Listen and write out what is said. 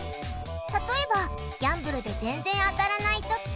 例えばギャンブルで全然当たらないとき。